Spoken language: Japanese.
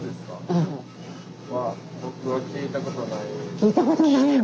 聞いたことないんだ。